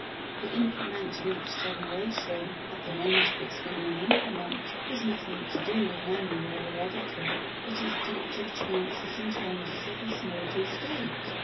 The increment in each generation, at the moment of its being an increment, has nothing to do with memory or heredity, it is due to the chances and changes of this mortal state.